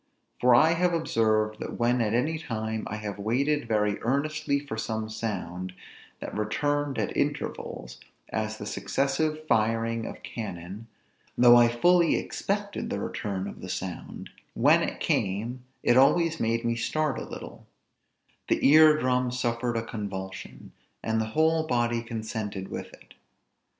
For I have observed, that when at any time I have waited very earnestly for some sound, that returned at intervals, (as the successive firing of cannon,) though I fully expected the return of the sound, when it came it always made me start a little; the ear drum suffered a convulsion, and the whole body consented with it.